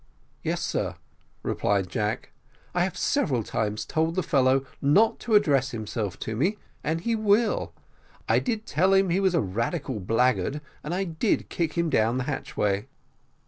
"Yes, sir," replied Jack; "I have several times told the fellow not to address himself to me, and he will. I did tell him he was a radical blackguard, and I did kick him down the hatchway."